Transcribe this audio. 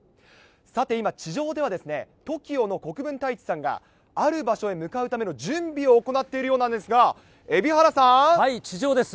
さて、今、地上ではですね、ＴＯＫＩＯの国分太一さんが、ある場所へ向かうための準備を行っているようなんですが、蛯原さ地上です。